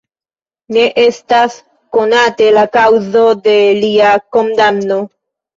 Ne estas konate la kaŭzo de lia kondamno.